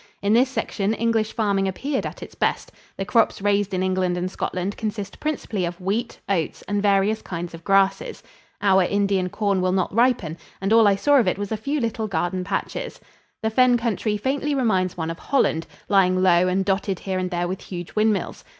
In this section English farming appeared at its best. The crops raised in England and Scotland consist principally of wheat, oats and various kinds of grasses. Our Indian corn will not ripen and all I saw of it was a few little garden patches. The fen country faintly reminds one of Holland, lying low and dotted here and there with huge windmills.